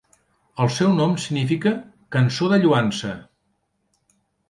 El seu nom significa "Cançó de Lloança".